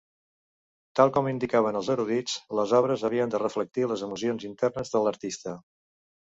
Tal com indicaven els erudits, les obres havien de reflectir les emocions internes de l'artista.